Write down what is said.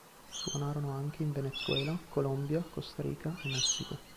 Suonarono anche in Venezuela, Colombia, Costa Rica e Messico.